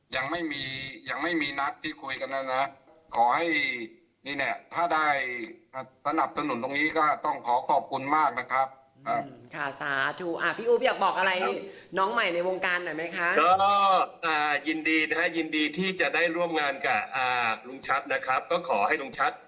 ยังไม่มียังไม่มีนัดที่คุยกันแล้ว